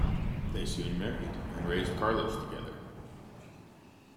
They soon married, and raised Carlos together.